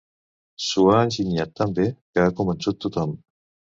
S'ho ha enginyat tan bé, que ha convençut tothom.